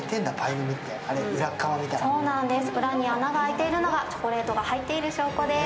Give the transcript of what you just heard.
裏に穴が開いているのがチョコレートが入っている証拠です。